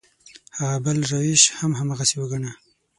هغه بل روش هم هماغسې وګڼه.